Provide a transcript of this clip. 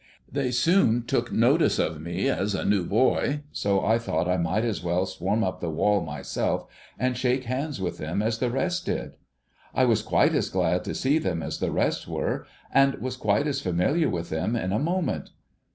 They soon took notice of mc as a new boy, so I thought I might as well swarm up the wall myself, and shake hands with them as the rest did. I was quite as glad to sec them as the rest were, and was quite as familiar with them in a moment.